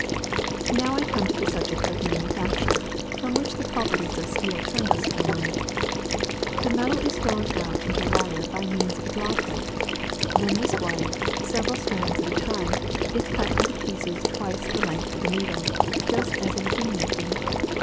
Now I come to the subject of manufacture, from which the properties of steel turned us for a moment. The metal is drawn out into wire by means of a draw plate ; then this wire, several strands at a time, is cut into pieces twice the length of a needle, just as in pin making.